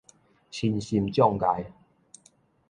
身心障礙